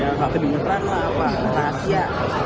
tapi di depan lah wah rahasia